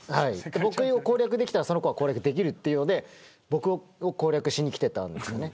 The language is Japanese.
僕を攻略できたらその子を攻略できるということで僕を攻略しにきてたんですよね。